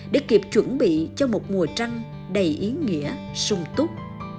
để kịp chuẩn bị cho một mùa trăng đầy ý nghĩa sung túc